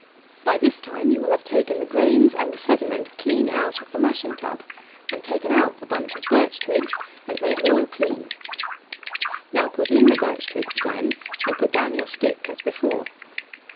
By this time you will have taken the grains and the sediment clean out of the mashing tub, and taken out the bunch of birch twigs, and made all clean. Now put in the birch twigs again, and put down your stick as before.